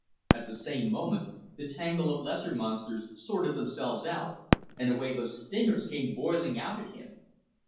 At the same moment, the tangle of lesser monsters sorted themselves out and a wave of stingers came boiling out at him.